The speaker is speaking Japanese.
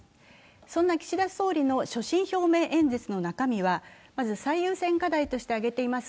そんな岸田総理の所信表明演説の中身はまず最優先課題として挙げています